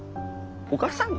お母さんの？